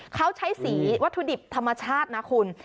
เขาใช้สีวัตถุดิบธรรมชาตินะคุณ